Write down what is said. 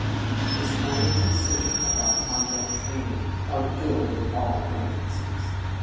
The splendid precision of our convent training held good in all emer gencies.